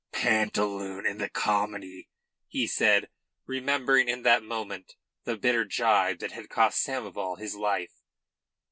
"Pantaloon in the comedy," he said, remembering in that moment the bitter gibe that had cost Samoval his life.